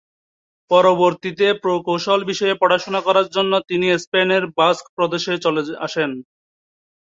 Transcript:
পরবর্তীতে প্রকৌশল বিষয়ে পড়াশোনা করার জন্য তিনি স্পেনের বাস্ক প্রদেশে চলে আসেন।